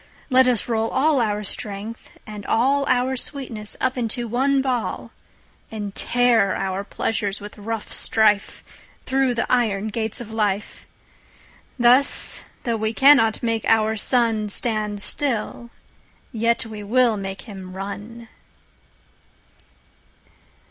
Let us roll all our Strength, and allOur sweetness, up into one Ball:And tear our Pleasures with rough strife, Thorough the Iron gates of Life.Thus, though we cannot make our SunStand still, yet we will make him run.